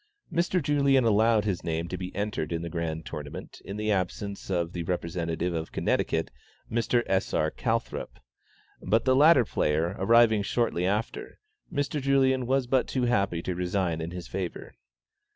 Mr. Julien had allowed his name to be entered in the Grand Tournament in the absence of the representative of Connecticut, Mr. S. R. Calthrop, but the latter player arriving shortly after, Mr. Julien was but too happy to resign in his favor.